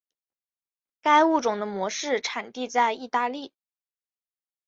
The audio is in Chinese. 该物种的模式产地在意大利。